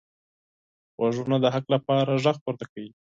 غوږونه د حق لپاره غږ پورته کوي